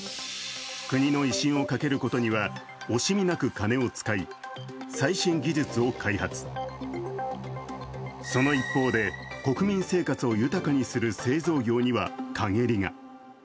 国の威信をかけることには惜しみなく金を使い、最新技術を開発、その一方で、国民生活を豊かにする製造業には陰りが。